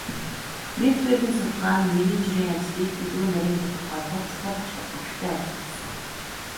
Менцбергийн судалгаа нь менежерийн ажлыг илүү нарийн тодорхойлоход чухал ач холбогдолтой ажил болсон.